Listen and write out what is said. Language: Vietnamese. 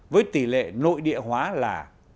với tỷ lệ nội địa hóa là